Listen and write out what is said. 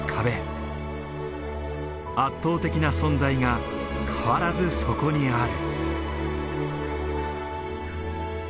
圧倒的な存在が変わらずそこにある。